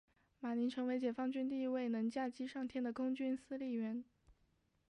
马宁成为解放军第一位能驾机上天的空军司令员。